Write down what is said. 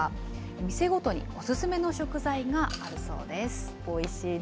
店ごとにお勧めの食材があるそうです。